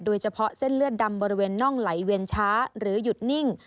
โดยเฉพาะเส้นเลือดดำบริเวณน่องไหลเวียนช้าหรือหยุดนิ่ง